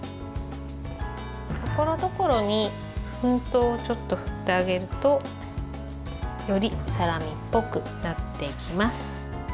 ところどころに粉糖をちょっと振ってあげるとよりサラミっぽくなってきます。